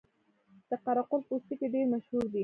د قره قل پوستکي ډیر مشهور دي